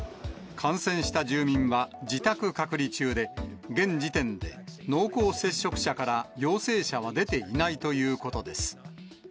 感染した住民は自宅隔離中で、現時点で濃厚接触者から陽性者は出ていないということです。